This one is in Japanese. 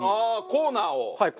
コーナーを。